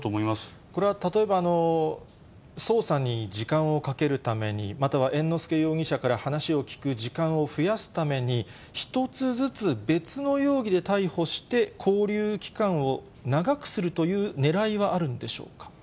これは例えば、捜査に時間をかけるために、または猿之助容疑者から話を聴く時間を増やすために、１つずつ別の容疑で逮捕して、勾留期間を長くするというねらいはあるんでしょうか。